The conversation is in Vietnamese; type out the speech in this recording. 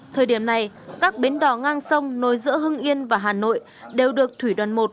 thời điểm này các bến đỏ ngang sông nối giữa hưng yên và hà nội đều được thủy đoàn một